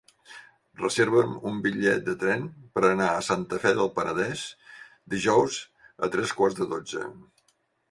Reserva'm un bitllet de tren per anar a Santa Fe del Penedès dijous a tres quarts de dotze.